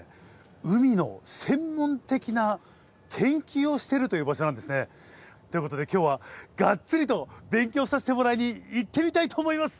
海の専門的な研究をしているという場所なんですね。ということで今日はがっつりと勉強させてもらいに行ってみたいと思います。